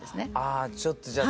あちょっとじゃあ。